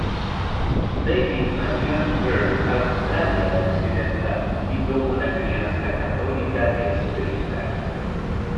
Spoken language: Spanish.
Davis nació en Perth, Australia Occidental, y tuvo una crianza católica estricta.